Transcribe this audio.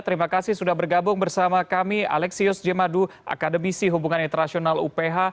terima kasih sudah bergabung bersama kami alexius jemadu akademisi hubungan internasional uph